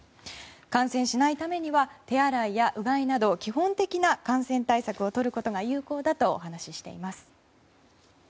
感染しないためには手洗いやうがいなど基本的な感染対策をとることが有効だとお話しています。